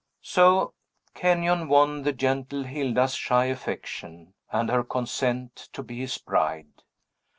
So Kenyon won the gentle Hilda's shy affection, and her consent to be his bride.